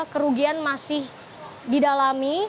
kerugian masih didalami